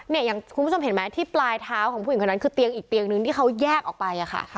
อย่างคุณผู้ชมเห็นไหมที่ปลายเท้าของผู้หญิงคนนั้นคือเตียงอีกเตียงนึงที่เขาแยกออกไปอะค่ะ